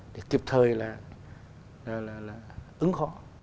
để kịp thời là ứng phó